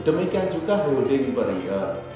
demikian juga holding per year